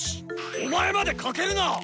お前まで賭けるな！